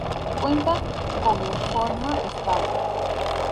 Cuenta con en forma estable.